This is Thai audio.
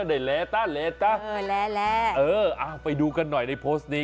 ได้เละตะเละตะเออไปดูกันหน่อยในโพสต์นี้